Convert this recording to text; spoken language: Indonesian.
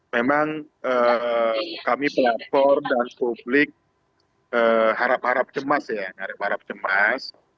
memang kami pelapor dan publik harap harap cemas ya harap harap cemas